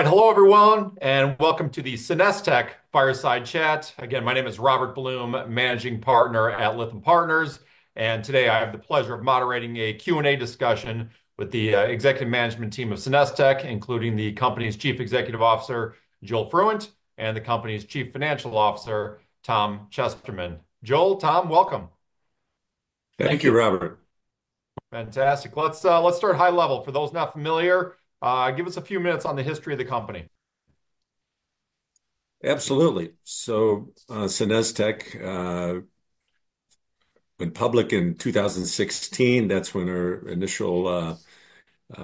All right. Hello, everyone, and welcome to the SenesTech Fireside Chat. Again, my name is Robert Blum, Managing Partner at Lytham Partners. Today I have the pleasure of moderating a Q&A discussion with the executive management team of SenesTech, including the company's Chief Executive Officer, Joel Fruendt, and the company's Chief Financial Officer, Tom Chesterman. Joel, Tom, welcome. Thank you, Robert. Fantastic. Let's start high level. For those not familiar, give us a few minutes on the history of the company. Absolutely. SenesTech went public in 2016. That's when our initial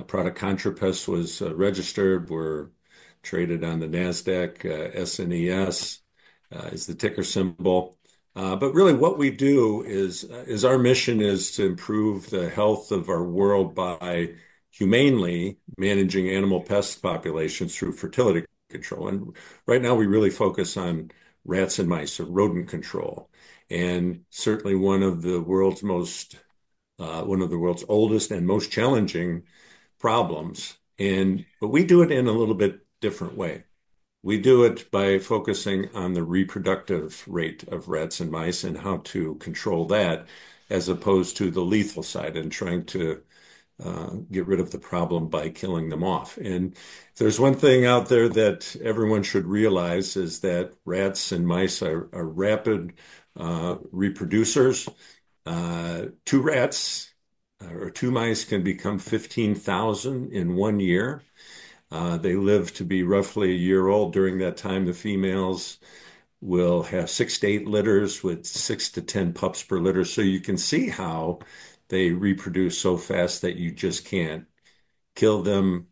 product, ContraPest, was registered. We're traded on the Nasdaq. SNES is the ticker symbol. What we do is our mission is to improve the health of our world by humanely managing animal pest populations through fertility control. Right now we really focus on rats and mice, rodent control, and certainly one of the world's oldest and most challenging problems. We do it in a little bit different way. We do it by focusing on the reproductive rate of rats and mice and how to control that, as opposed to the lethal side and trying to get rid of the problem by killing them off. If there's one thing out there that everyone should realize is that rats and mice are rapid reproducers. Two rats or two mice can become 15,000 in one year. They live to be roughly a year old. During that time, the females will have six to eight litters with six to ten pups per litter. You can see how they reproduce so fast that you just can't kill them,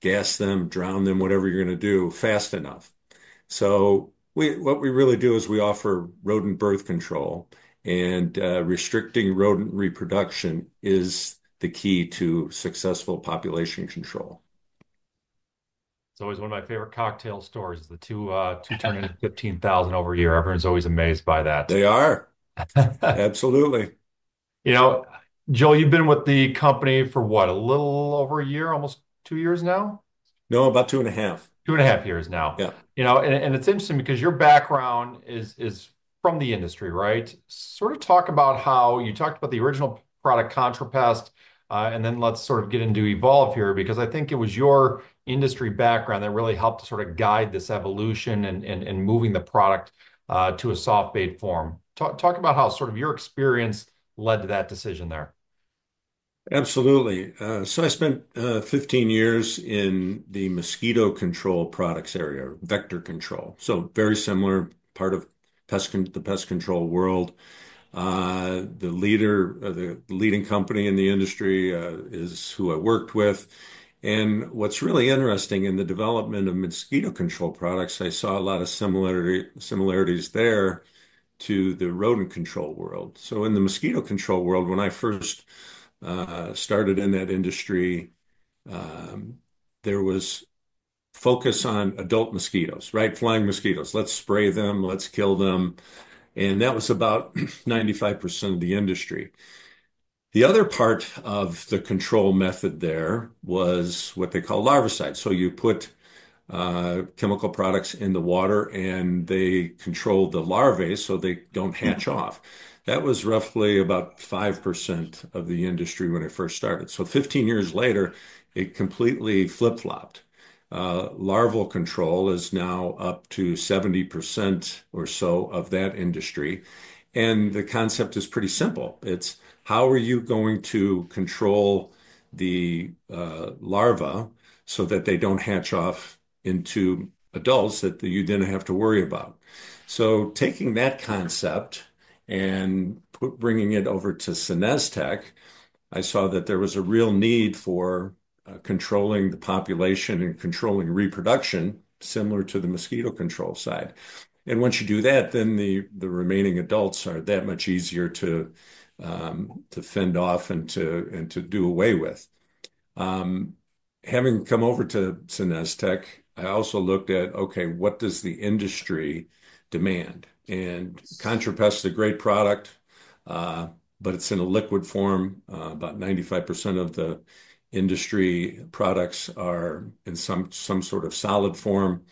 gas them, drown them, whatever you're going to do, fast enough. What we really do is we offer rodent birth control, and restricting rodent reproduction is the key to successful population control. It's always one of my favorite cocktail stories. The two turning 15,000 over a year. Everyone's always amazed by that. They are. Absolutely. You know, Joel, you've been with the company for what, a little over a year, almost two years now? No, about two and a half. Two and a half years now. Yeah. You know, and it's interesting because your background is from the industry, right? Sort of talk about how you talked about the original product ContraPest, and then let's sort of get into Evolve here, because I think it was your industry background that really helped to sort of guide this evolution and moving the product to a soft bait form. Talk about how sort of your experience led to that decision there. Absolutely. I spent 15 years in the mosquito control products area, vector control. Very similar part of the pest control world. The leading company in the industry is who I worked with. What's really interesting in the development of mosquito control products, I saw a lot of similarities there to the rodent control world. In the mosquito control world, when I first started in that industry, there was focus on adult mosquitoes, right? Flying mosquitoes. Let's spray them. Let's kill them. That was about 95% of the industry. The other part of the control method there was what they call larvicide. You put chemical products in the water and they control the larvae so they don't hatch off. That was roughly about 5% of the industry when I first started. Fifteen years later, it completely flip-flopped. Larval control is now up to 70% or so of that industry. The concept is pretty simple. It's how are you going to control the larva so that they don't hatch off into adults that you then have to worry about? Taking that concept and bringing it over to SenesTech, I saw that there was a real need for controlling the population and controlling reproduction similar to the mosquito control side. Once you do that, then the remaining adults are that much easier to fend off and to do away with. Having come over to SenesTech, I also looked at, okay, what does the industry demand? ContraPest is a great product, but it's in a liquid form. About 95% of the industry products are in some sort of solid form.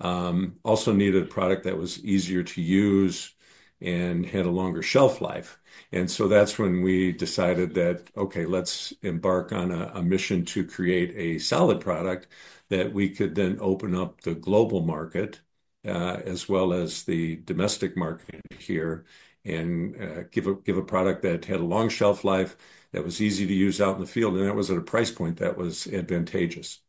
Also needed a product that was easier to use and had a longer shelf life. That is when we decided that, okay, let's embark on a mission to create a solid product that we could then open up the global market as well as the domestic market here and give a product that had a long shelf life that was easy to use out in the field and that was at a price point that was advantageous.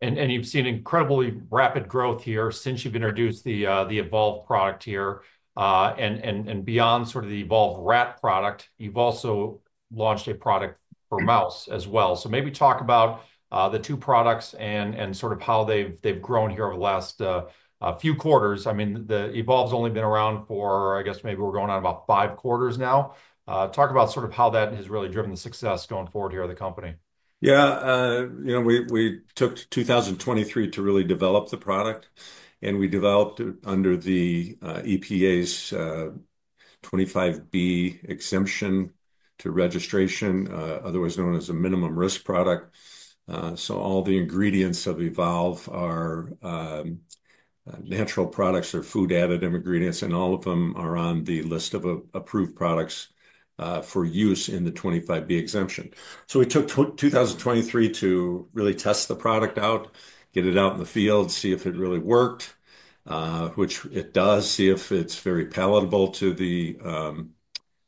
You have seen incredibly rapid growth here since you introduced the Evolve product here. Beyond sort of the Evolve Rat product, you have also launched a product for mouse as well. Maybe talk about the two products and sort of how they have grown here over the last few quarters. I mean, the Evolve has only been around for, I guess maybe we are going on about five quarters now. Talk about sort of how that has really driven the success going forward here at the company. Yeah, you know, we took 2023 to really develop the product and we developed it under the EPA's 25(b) exemption to registration, otherwise known as a minimum risk product. All the ingredients of Evolve are natural products or food additive ingredients, and all of them are on the list of approved products for use in the 25(b) exemption. We took 2023 to really test the product out, get it out in the field, see if it really worked, which it does, see if it's very palatable to the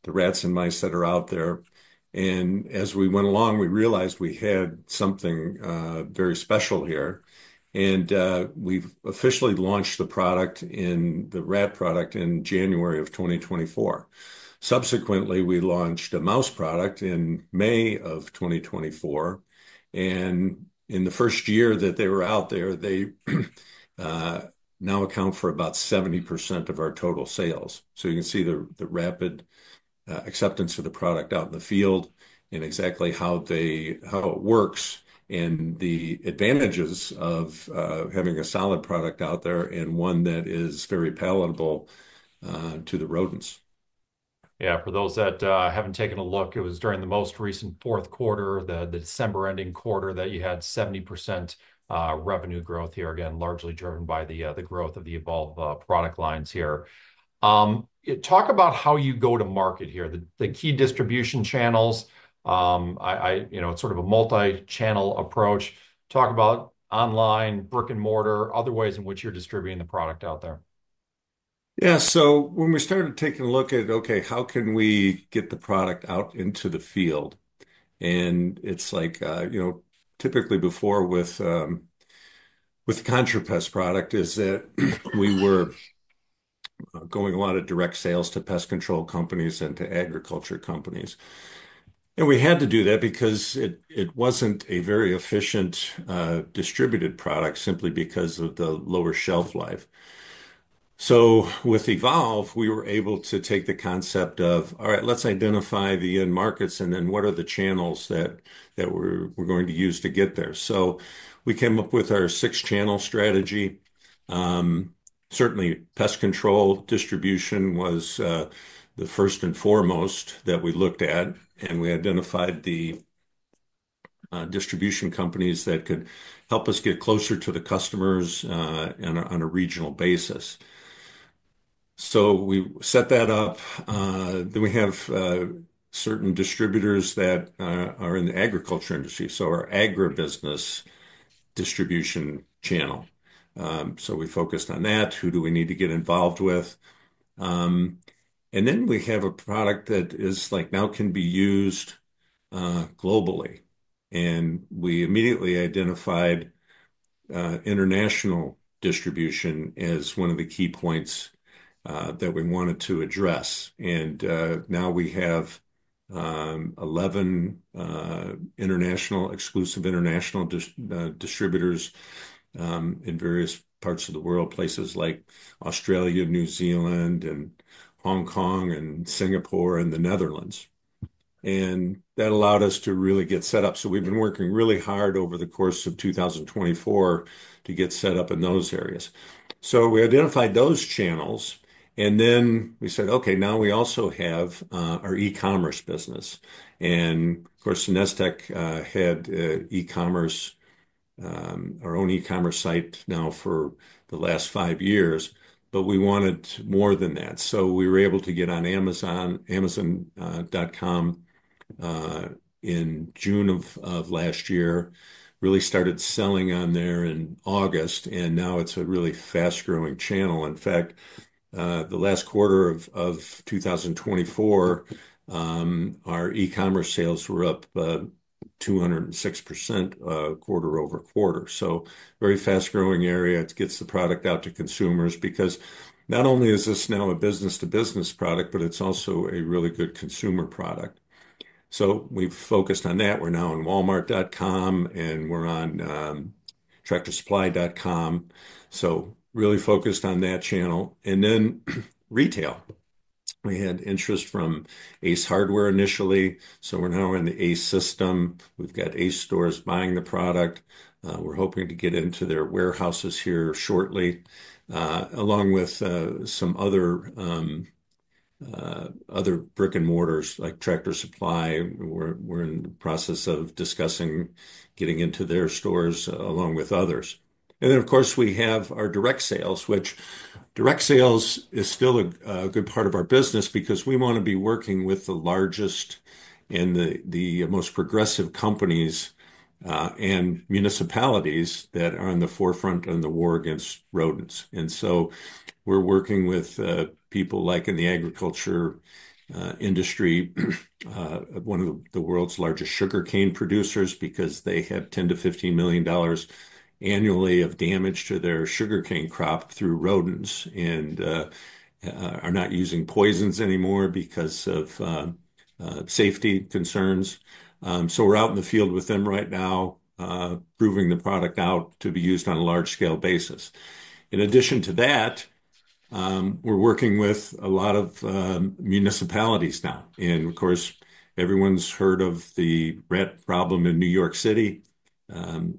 rats and mice that are out there. As we went along, we realized we had something very special here. We've officially launched the product, the rat product, in January of 2024. Subsequently, we launched a mouse product in May of 2024. In the first year that they were out there, they now account for about 70% of our total sales. You can see the rapid acceptance of the product out in the field and exactly how it works and the advantages of having a solid product out there and one that is very palatable to the rodents. Yeah, for those that haven't taken a look, it was during the most recent fourth quarter, the December ending quarter that you had 70% revenue growth here, again, largely driven by the growth of the Evolve product lines here. Talk about how you go to market here, the key distribution channels. It's sort of a multi-channel approach. Talk about online, brick and mortar, other ways in which you're distributing the product out there. Yeah, so when we started taking a look at, okay, how can we get the product out into the field? It's like, you know, typically before with the ContraPest product is that we were going a lot of direct sales to pest control companies and to agriculture companies. We had to do that because it wasn't a very efficient distributed product simply because of the lower shelf life. With Evolve, we were able to take the concept of, all right, let's identify the end markets and then what are the channels that we're going to use to get there. We came up with our six-channel strategy. Certainly, pest control distribution was the first and foremost that we looked at, and we identified the distribution companies that could help us get closer to the customers on a regional basis. We set that up. We have certain distributors that are in the agriculture industry. Our agribusiness distribution channel, we focused on that. Who do we need to get involved with? We have a product that is like now can be used globally. We immediately identified international distribution as one of the key points that we wanted to address. We have 11 exclusive international distributors in various parts of the world, places like Australia, New Zealand, Hong Kong, Singapore, and the Netherlands. That allowed us to really get set up. We have been working really hard over the course of 2024 to get set up in those areas. We identified those channels, and then we said, okay, now we also have our e-commerce business. Of course, SenesTech had e-commerce, our own e-commerce site now for the last five years, but we wanted more than that. We were able to get on Amazon in June of last year, really started selling on there in August, and now it is a really fast-growing channel. In fact, the last quarter of 2024, our e-commerce sales were up 206% quarter over quarter. Very fast-growing area. It gets the product out to consumers because not only is this now a business-to-business product, but it is also a really good consumer product. We have focused on that. We are now on Walmart.com and we are on TractorSupply.com. Really focused on that channel. Retail. We had interest from Ace Hardware initially. We are now in the Ace system. We have Ace stores buying the product. We're hoping to get into their warehouses here shortly, along with some other brick and mortars like Tractor Supply. We're in the process of discussing getting into their stores along with others. Of course, we have our direct sales, which direct sales is still a good part of our business because we want to be working with the largest and the most progressive companies and municipalities that are on the forefront in the war against rodents. We are working with people like in the agriculture industry, one of the world's largest sugarcane producers because they have $10 million-$15 million annually of damage to their sugarcane crop through rodents and are not using poisons anymore because of safety concerns. We are out in the field with them right now, proving the product out to be used on a large-scale basis. In addition to that, we're working with a lot of municipalities now. Of course, everyone's heard of the rat problem in New York City.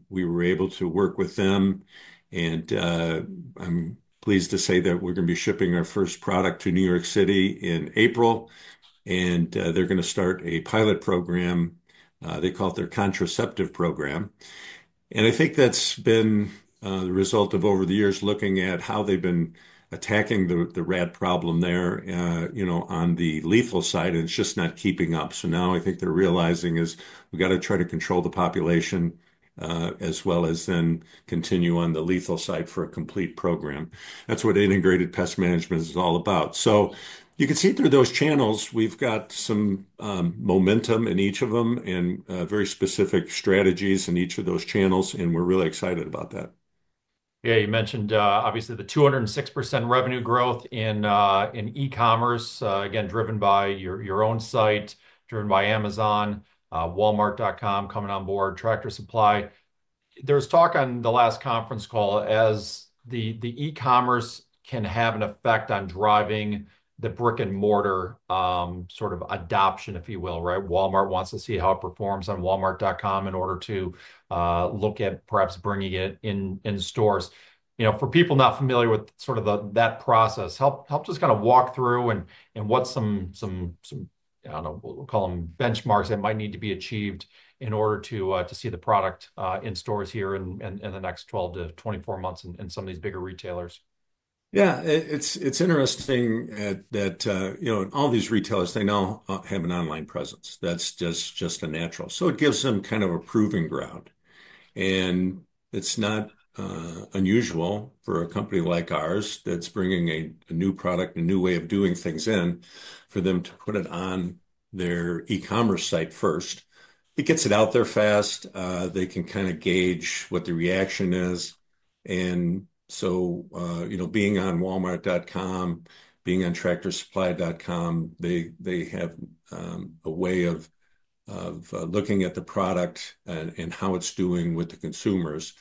We were able to work with them, and I'm pleased to say that we're going to be shipping our first product to New York City in April. They're going to start a pilot program. They call it their contraceptive program. I think that's been the result of over the years looking at how they've been attacking the rat problem there, you know, on the lethal side, and it's just not keeping up. Now I think they're realizing we've got to try to control the population as well as then continue on the lethal side for a complete program. That's what integrated pest management is all about. You can see through those channels, we've got some momentum in each of them and very specific strategies in each of those channels, and we're really excited about that. Yeah, you mentioned obviously the 206% revenue growth in e-commerce, again, driven by your own site, driven by Amazon, Walmart.com coming on board, Tractor Supply. There was talk on the last conference call as the e-commerce can have an effect on driving the brick and mortar sort of adoption, if you will, right? Walmart wants to see how it performs on Walmart.com in order to look at perhaps bringing it in stores. You know, for people not familiar with sort of that process, help just kind of walk through and what's some, I don't know, we'll call them benchmarks that might need to be achieved in order to see the product in stores here in the next 12 to 24 months and some of these bigger retailers. Yeah, it's interesting that, you know, all these retailers, they now have an online presence. That's just a natural. It gives them kind of a proving ground. It's not unusual for a company like ours that's bringing a new product, a new way of doing things in for them to put it on their e-commerce site first. It gets it out there fast. They can kind of gauge what the reaction is. You know, being on Walmart.com, being on TractorSupply.com, they have a way of looking at the product and how it's doing with the consumers.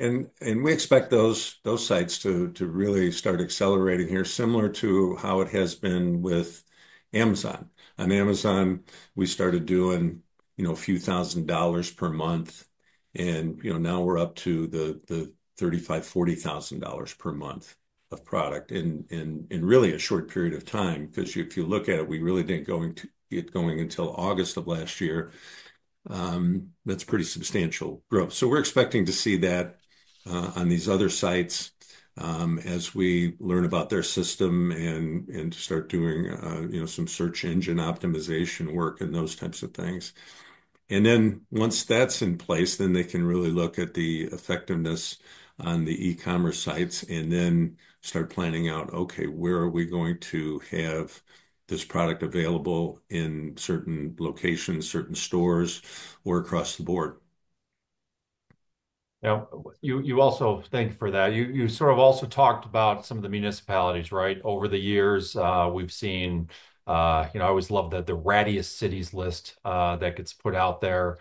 We expect those sites to really start accelerating here, similar to how it has been with Amazon. On Amazon, we started doing, you know, a few thousand dollars per month. You know, now we're up to the $35,000-$40,000 per month of product in really a short period of time because if you look at it, we really didn't get going until August of last year. That's pretty substantial growth. We're expecting to see that on these other sites as we learn about their system and start doing, you know, some search engine optimization work and those types of things. Once that's in place, they can really look at the effectiveness on the e-commerce sites and then start planning out, okay, where are we going to have this product available in certain locations, certain stores, or across the board? Yeah, you also thank for that. You sort of also talked about some of the municipalities, right? Over the years, we've seen, you know, I always love the Rattiest Cities list that gets put out there.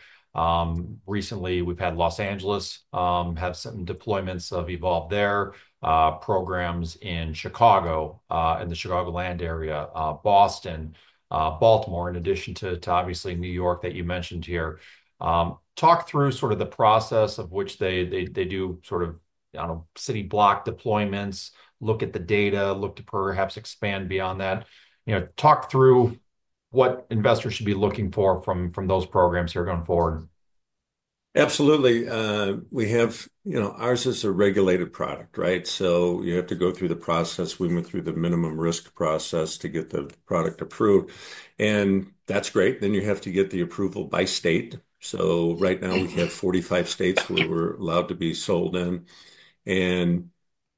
Recently, we've had Los Angeles have some deployments of Evolve there, programs in Chicago and the Chicagoland area, Boston, Baltimore, in addition to obviously New York that you mentioned here. Talk through sort of the process of which they do sort of, I don't know, city block deployments, look at the data, look to perhaps expand beyond that. You know, talk through what investors should be looking for from those programs here going forward. Absolutely. We have, you know, ours is a regulated product, right? You have to go through the process. We went through the minimum risk process to get the product approved. That is great. You have to get the approval by state. Right now we have 45 states where we are allowed to be sold in.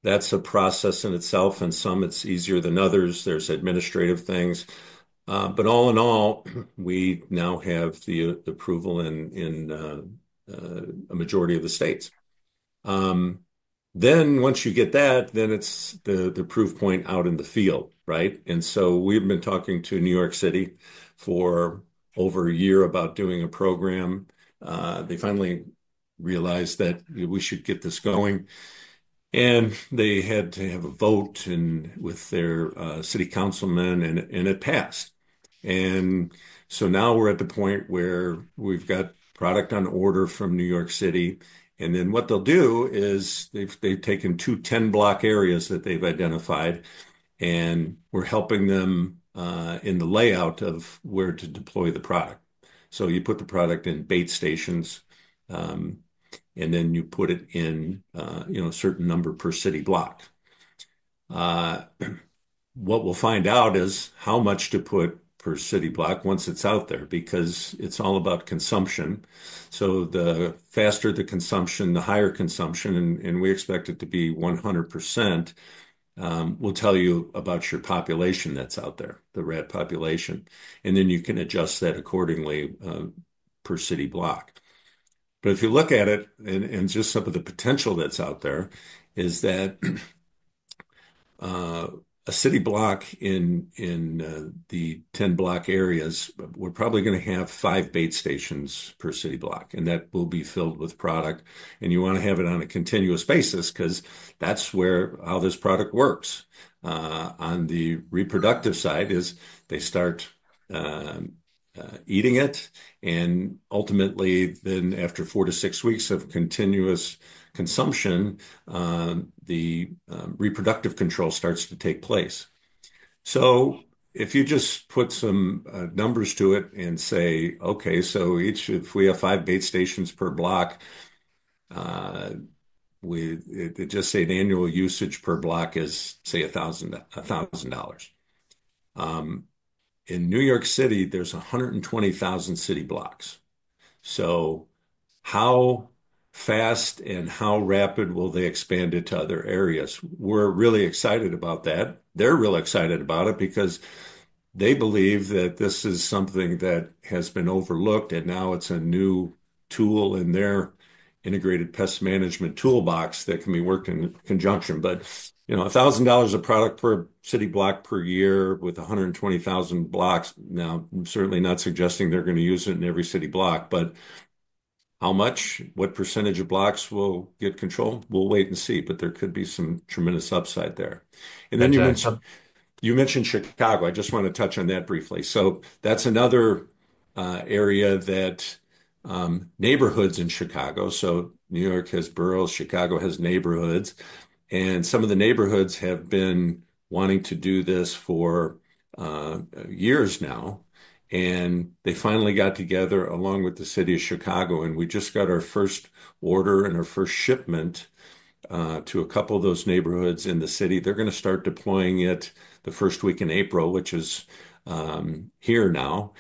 That is a process in itself. In some, it is easier than others. There are administrative things. All in all, we now have the approval in a majority of the states. Once you get that, it is the proof point out in the field, right? We have been talking to New York City for over a year about doing a program. They finally realized that we should get this going. They had to have a vote with their city councilman, and it passed. We are at the point where we've got product on order from New York City. What they'll do is they've taken two 10-block areas that they've identified, and we're helping them in the layout of where to deploy the product. You put the product in bait stations, and then you put it in, you know, a certain number per city block. What we'll find out is how much to put per city block once it's out there because it's all about consumption. The faster the consumption, the higher consumption, and we expect it to be 100% will tell you about your population that's out there, the rat population. You can adjust that accordingly per city block. If you look at it and just some of the potential that's out there is that a city block in the 10-block areas, we're probably going to have five bait stations per city block, and that will be filled with product. You want to have it on a continuous basis because that's how this product works. On the reproductive side is they start eating it, and ultimately then after four to six weeks of continuous consumption, the reproductive control starts to take place. If you just put some numbers to it and say, okay, so if we have five bait stations per block, it just said annual usage per block is, say, $1,000. In New York City, there's 120,000 city blocks. How fast and how rapid will they expand it to other areas? We're really excited about that. They're really excited about it because they believe that this is something that has been overlooked, and now it's a new tool in their integrated pest management toolbox that can be worked in conjunction. You know, $1,000 of product per city block per year with 120,000 blocks. Now, I'm certainly not suggesting they're going to use it in every city block, but how much, what percentage of blocks will get control? We'll wait and see, but there could be some tremendous upside there. You mentioned Chicago. I just want to touch on that briefly. That's another area, neighborhoods in Chicago. New York has boroughs, Chicago has neighborhoods, and some of the neighborhoods have been wanting to do this for years now. They finally got together along with the City of Chicago, and we just got our first order and our first shipment to a couple of those neighborhoods in the city. They're going to start deploying it the first week in April, which is here now.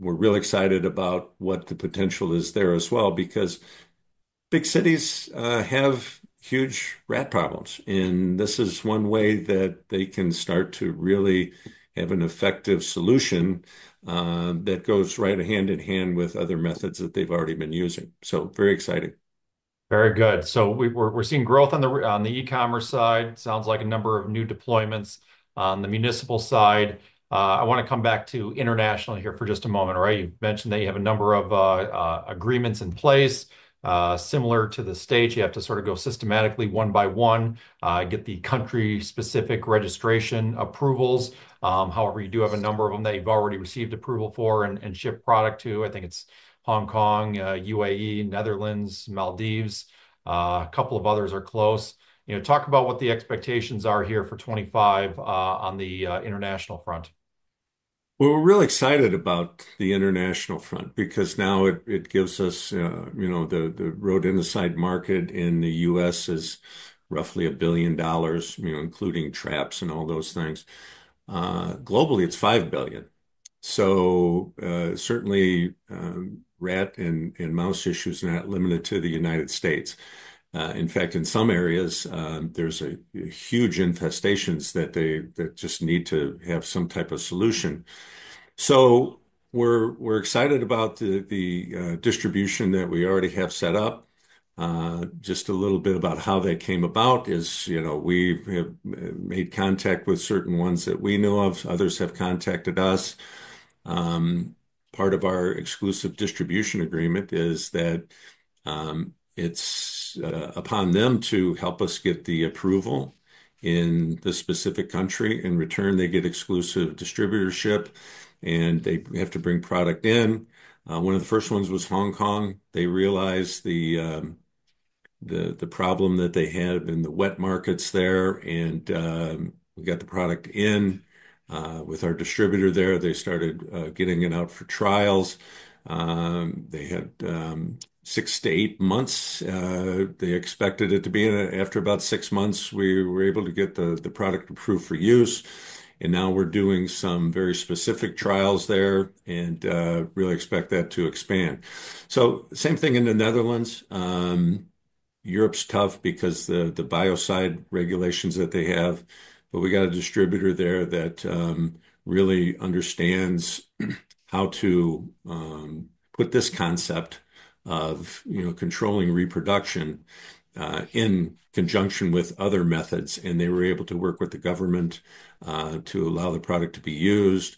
We're really excited about what the potential is there as well because big cities have huge rat problems. This is one way that they can start to really have an effective solution that goes right hand in hand with other methods that they've already been using. Very exciting. Very good. We're seeing growth on the e-commerce side. Sounds like a number of new deployments on the municipal side. I want to come back to international here for just a moment, right? You mentioned that you have a number of agreements in place. Similar to the state, you have to sort of go systematically one by one, get the country-specific registration approvals. However, you do have a number of them that you've already received approval for and ship product to. I think it's Hong Kong, UAE, Netherlands, Maldives. A couple of others are close. You know, talk about what the expectations are here for 2025 on the international front. We're really excited about the international front because now it gives us, you know, the rodenticide market in the U.S. is roughly $1 billion, you know, including traps and all those things. Globally, it's $5 billion. Certainly rat and mouse issues are not limited to the United States. In fact, in some areas, there's huge infestations that just need to have some type of solution. We're excited about the distribution that we already have set up. Just a little bit about how they came about is, you know, we have made contact with certain ones that we know of. Others have contacted us. Part of our exclusive distribution agreement is that it's upon them to help us get the approval in the specific country. In return, they get exclusive distributorship, and they have to bring product in. One of the first ones was Hong Kong. They realized the problem that they had in the wet markets there, and we got the product in with our distributor there. They started getting it out for trials. They had six to eight months. They expected it to be in it. After about six months, we were able to get the product approved for use. Now we're doing some very specific trials there and really expect that to expand. Same thing in the Netherlands. Europe's tough because of the biocide regulations that they have, but we got a distributor there that really understands how to put this concept of, you know, controlling reproduction in conjunction with other methods. They were able to work with the government to allow the product to be used.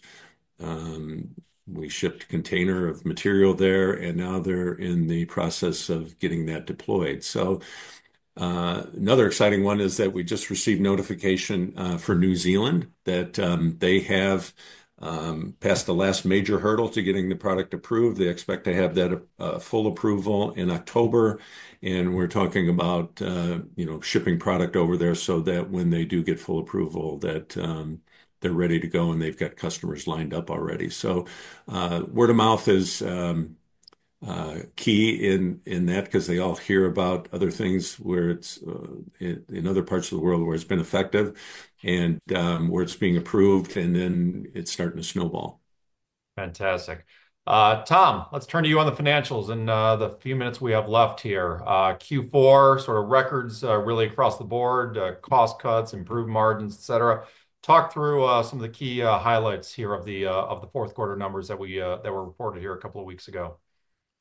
We shipped a container of material there, and now they're in the process of getting that deployed. Another exciting one is that we just received notification for New Zealand that they have passed the last major hurdle to getting the product approved. They expect to have that full approval in October. We're talking about, you know, shipping product over there so that when they do get full approval, they're ready to go and they've got customers lined up already. Word of mouth is key in that because they all hear about other things where it's in other parts of the world where it's been effective and where it's being approved, and then it's starting to snowball. Fantastic. Tom, let's turn to you on the financials in the few minutes we have left here. Q4, sort of records really across the board, cost cuts, improved margins, et cetera. Talk through some of the key highlights here of the fourth quarter numbers that were reported here a couple of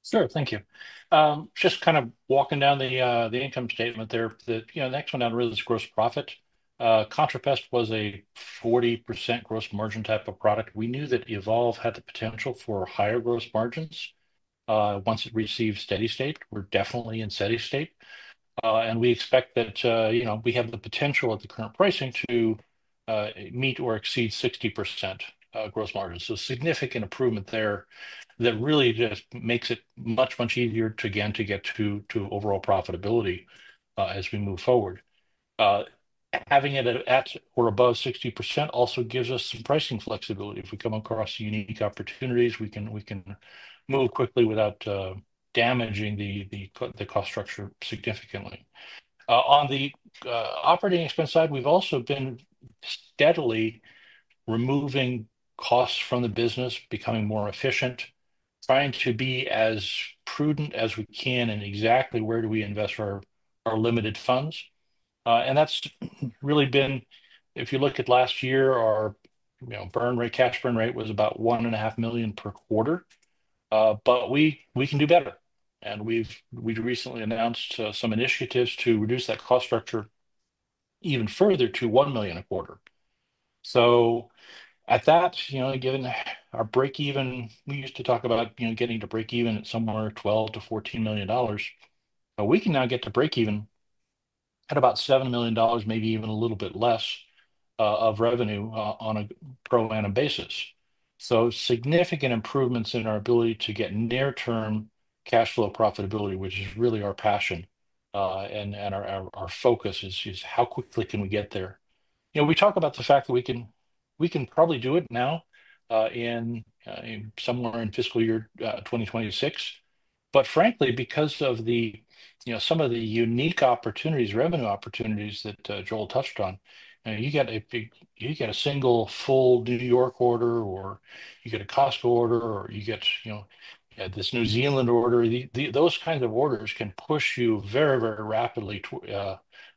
weeks ago. Sure, thank you. Just kind of walking down the income statement there, you know, the next one down really is gross profit. ContraPest was a 40% gross margin type of product. We knew that Evolve had the potential for higher gross margins once it received steady state. We're definitely in steady state. We expect that, you know, we have the potential at the current pricing to meet or exceed 60% gross margin. Significant improvement there that really just makes it much, much easier to again to get to overall profitability as we move forward. Having it at or above 60% also gives us some pricing flexibility. If we come across unique opportunities, we can move quickly without damaging the cost structure significantly. On the operating expense side, we've also been steadily removing costs from the business, becoming more efficient, trying to be as prudent as we can in exactly where do we invest our limited funds. That's really been, if you look at last year, our, you know, burn rate, cash burn rate was about $1.5 million per quarter. We can do better. We've recently announced some initiatives to reduce that cost structure even further to $1 million a quarter. At that, you know, given our break-even, we used to talk about, you know, getting to break-even at somewhere $12 million-$14 million. We can now get to break-even at about $7 million, maybe even a little bit less of revenue on a per annum basis. Significant improvements in our ability to get near-term cash flow profitability, which is really our passion and our focus, is how quickly can we get there. You know, we talk about the fact that we can probably do it now in somewhere in fiscal year 2026. Frankly, because of the, you know, some of the unique opportunities, revenue opportunities that Joel touched on, you get a single full New York City order or you get a Costco order or you get, you know, this New Zealand order. Those kinds of orders can push you very, very rapidly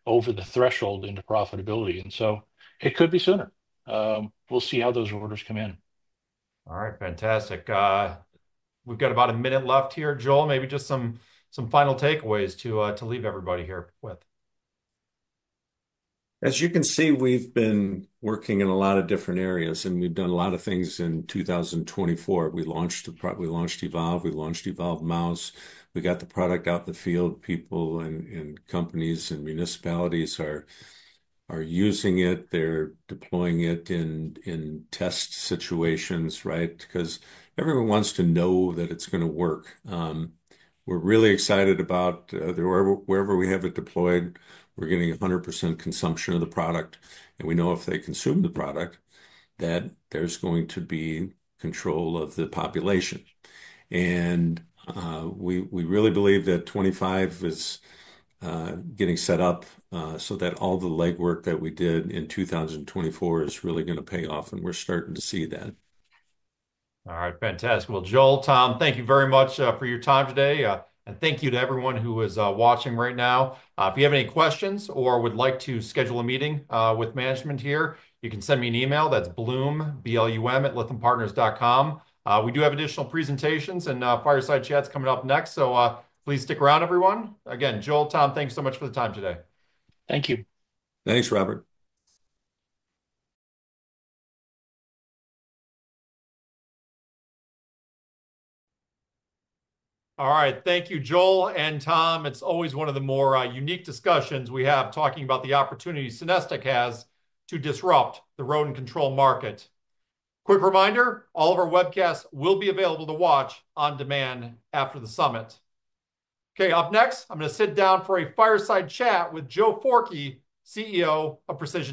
over the threshold into profitability. It could be sooner. We'll see how those orders come in. All right, fantastic. We've got about a minute left here. Joel, maybe just some final takeaways to leave everybody here with. As you can see, we've been working in a lot of different areas, and we've done a lot of things in 2024. We launched Evolve, we launched Evolve Mouse. We got the product out in the field. People and companies and municipalities are using it. They're deploying it in test situations, right? Because everyone wants to know that it's going to work. We're really excited about wherever we have it deployed, we're getting 100% consumption of the product. We know if they consume the product that there's going to be control of the population. We really believe that 2025 is getting set up so that all the legwork that we did in 2024 is really going to pay off, and we're starting to see that. All right, fantastic. Joel, Tom, thank you very much for your time today. Thank you to everyone who is watching right now. If you have any questions or would like to schedule a meeting with management here, you can send me an email. That is Blum, B-L-U-M, at lythampartners.com. We do have additional presentations and fireside chats coming up next. Please stick around, everyone. Again, Joel, Tom, thanks so much for the time today. Thank you. Thanks, Robert. All right, thank you, Joel and Tom. It's always one of the more unique discussions we have talking about the opportunity SenesTech has to disrupt the rodent control market. Quick reminder, all of our webcasts will be available to watch on demand after the summit. Okay, up next, I'm going to sit down for a fireside chat with Joe Forkey, CEO of Precision.